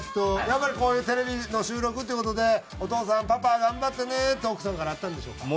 やっぱりこういうテレビの収録っていう事で「お父さんパパ頑張ってね」って奥さんからあったんでしょうか？